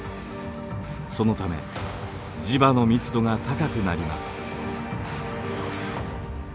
そのため磁場の密度が高くなります。